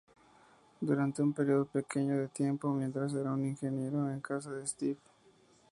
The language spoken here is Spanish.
Durante un período pequeño de tiempo mientras era un ingeniero en casa de Stiff.